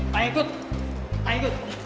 pak ikut pak ikut